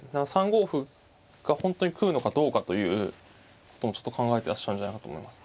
３五歩が本当に来るのかどうかということもちょっと考えてらっしゃるんじゃないかと思います。